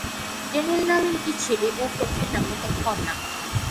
Daniel নামের একটি ছেলে, ও ক্যাথরিন নামের এক কন্যা।